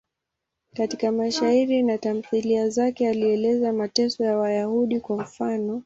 Katika mashairi na tamthiliya zake alieleza mateso ya Wayahudi, kwa mfano.